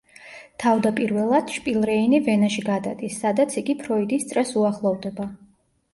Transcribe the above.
თავდაპირველად, შპილრეინი ვენაში გადადის, სადაც იგი ფროიდის წრეს უახლოვდება.